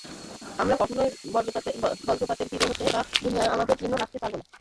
আমরা কখনোই বজ্রপাতের হিরো হতে বা দুনিয়ায় আমাদের চিহ্ন রাখতে পারব না।